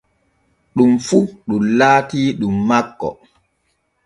Ɗum fu ɗum laatii ɗum makko.